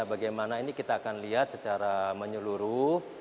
bagaimana ini kita akan lihat secara menyeluruh